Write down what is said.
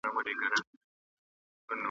داسي آثار پرېښودل .